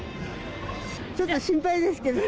ちょっと心配ですけどね。